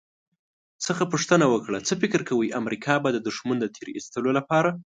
څخه پوښتنه وکړه «څه فکر کوئ، امریکا به د دښمن د تیرایستلو لپاره»